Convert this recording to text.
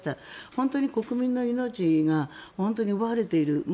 本当に国民の命が奪われている。